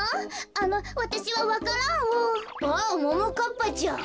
あっももかっぱちゃん。